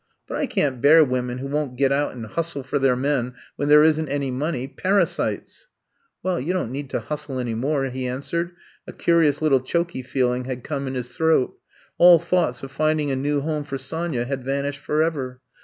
But I can't bear women who won't get out and hustle for their men when there is n 't any money ! Parasites !'' *'Well, you don't need to hustle any more," he answered. A curious little choky feeling had come in his throat. All thoughts of finding a new home for Sonya had vanished forever.